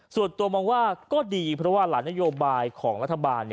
ส่วนตัวมองว่าก็ดีเพราะว่าหลายนโยบายของรัฐบาล